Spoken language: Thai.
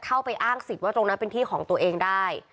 เข้าไปอ้างสิทธิ์ตรงนั้นเป็นที่ของตัวเองได้